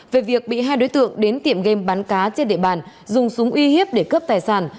về việc bị hai đối tượng đến tiệm game bắn cá trên địa bàn dùng súng uy hiếp để cướp tài sản